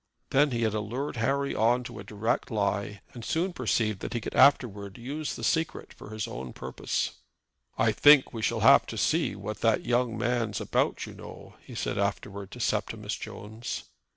Then he had allured Harry on to a direct lie, and soon perceived that he could afterward use the secret for his own purpose. "I think we shall have to see what that young man's about, you know," he said afterward to Septimus Jones.